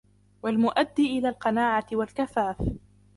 وَالْمُؤَدِّي إلَى الْقَنَاعَةِ وَالْكَفَافِ